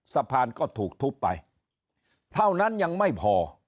สะพานก็ถูกทุบไปเท่านั้นยังไม่พอ